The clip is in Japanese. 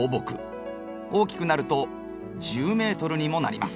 大きくなると１０ｍにもなります。